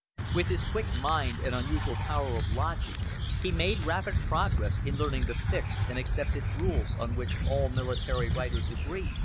With his quick mind and unusual power of logic he made rapid progress in learning the fixed and accepted rules on which all military writers agree.